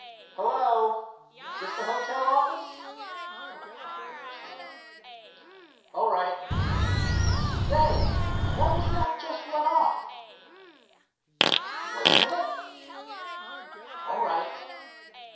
"Hello. This the hotel office?" fell upon Dave's hearing. "All right. Say, what was that just went off? Wait a minute? All right."